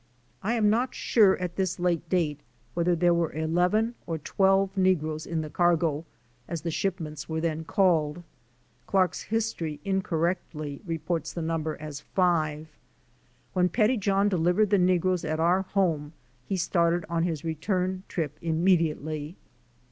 I am not sure at this late date whether there were eleven or twelve negroes in the cargo, as the shipments were then called. Clark's history incorrectly reports the number as five. When Pettyjohn delivered the negroes at our home he started on his return trip immediately.